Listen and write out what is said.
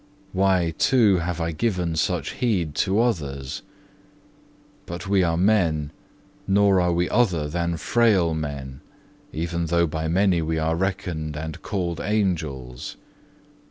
Why, too, have I given such heed to others? But we are men, nor are we other than frail men, even though by many we are reckoned and called angels.